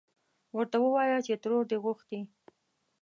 ورته ووايه چې ترور دې غوښتې.